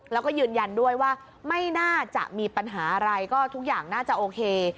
แล้วก็ยืนยันด้วยว่าไม่น่าจะมีปัญหาอะไรก็ทุกอย่างน่าจะโอเค